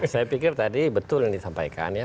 saya pikir tadi betul yang disampaikan ya